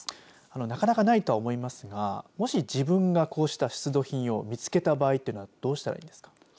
なかなかないとは思いますがもし自分がこうした出土品を見つけた場合はどうしたらいいんですか。